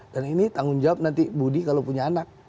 dan ini tanggung jawab nanti budi kalau punya anak